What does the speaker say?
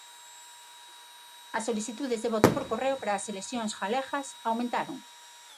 As solicitudes de voto por correo para as eleccións galegas aumentaron.